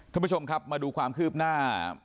ท่านผู้ชมครับมาดูความคืบหน้า